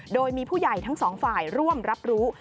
โดยมีผู้ใหญ่ทั้งสองฝ่ายร่วมรับรู้